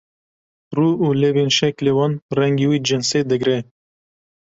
rû û lêvên şeklê wan rengê wî cinsê digre